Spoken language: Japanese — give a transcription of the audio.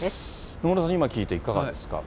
野村さん、今聞いていかがですか。